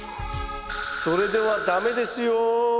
それでは駄目ですよ。